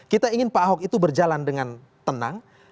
kita ingin pak ahok itu berjalan dengan tenang